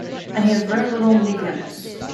And he has very little Negroness.